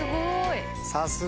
さすが。